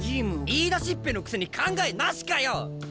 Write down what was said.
言いだしっぺのくせに考えなしかよ！